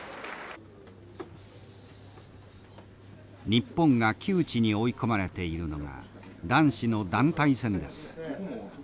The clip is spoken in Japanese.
日本が窮地に追い込まれているのが男子の団体戦です。